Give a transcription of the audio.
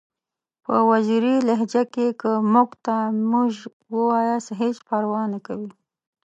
په وزیري لهجه کې که موږ ته میژ ووایاست هیڅ پروا نکوي!